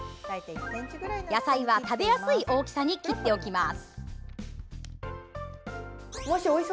野菜は食べやすい大きさに切っておきます。